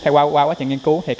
qua quá trình nghiên cứu